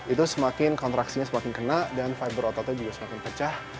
itu semakin kontraksinya semakin kena dan fiber ototnya juga semakin pecah